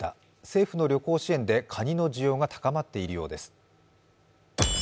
政府の旅行支援でカニの需要が高まっているようです。